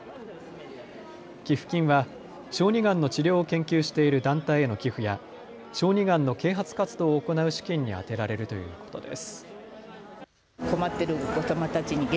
寄付金は小児がんの治療を研究している団体への寄付や小児がんの啓発活動を行う資金に充てられるということです。